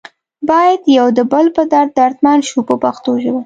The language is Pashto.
باید یو د بل په درد دردمند شو په پښتو ژبه.